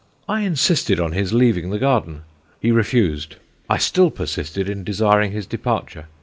I insisted on his leaving the garden; he refused. I still persisted in desiring his departure.